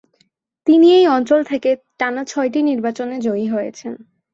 তিনি এই অঞ্চল থেকে টানা ছয়টি নির্বাচনে জয়ী হয়েছেন।